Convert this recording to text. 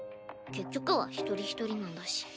結局は１人１人なんだし。